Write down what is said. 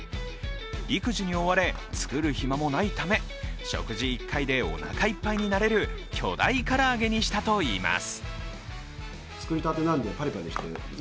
育児に追われ、作る暇もないため食事１回でおなかいっぱいになれる巨大唐揚げにしたといいます。